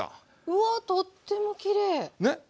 うわっとってもきれい！